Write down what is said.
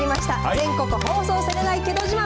全国放送されないけど自慢。